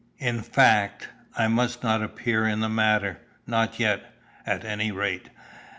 In fact, I must not appear in the matter not yet, at any rate.